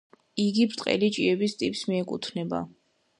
იგი ბრტყელი ჭიების ტიპს მიეკუთვნება.